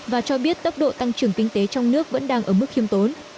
và cho biết tốc độ tăng trưởng kinh tế trong nước vẫn đang ở mức khiêm tốn